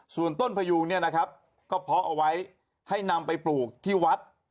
ส่วนต้นพยูงเนี่ยนะครับก็เพาะเอาไว้ให้นำไปปลูกที่วัด